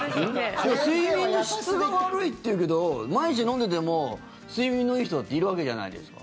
睡眠の質が悪いっていうけど毎日飲んでても睡眠のいい人だっているわけじゃないですか。